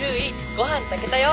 「ご飯たけたよ」